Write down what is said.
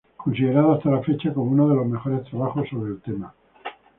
Considerado hasta la fecha como uno de los mejores trabajos sobre el tema.